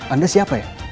anda siapa ya